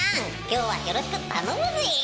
今日はよろしく頼むぜ！」。